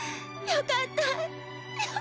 よかったよ